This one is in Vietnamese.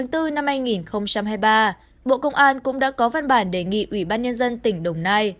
tháng bốn năm hai nghìn hai mươi ba bộ công an cũng đã có văn bản đề nghị ủy ban nhân dân tỉnh đồng nai